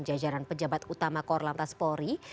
jajaran pejabat utama korps lantas polri